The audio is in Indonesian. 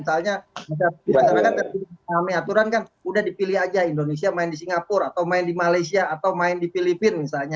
misalnya misalnya kan ada enam aturan kan sudah dipilih saja indonesia main di singapura atau main di malaysia atau main di filipina misalnya